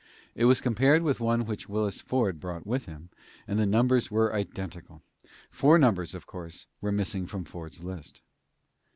It was compared with one which Willis Ford brought with him, and the numbers were identical. Four numbers, of course, were missing from Ford's list.